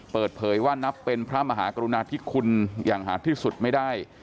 เปิดเผยว่านับเป็นพระมหากรุณาธิคุณอย่างหาดที่สุดไม่ได้